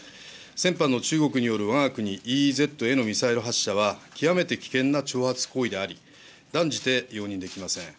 先般の中国によるわが国ＥＥＺへのミサイル発射は、極めて危険な挑発行為であり、断じて容認できません。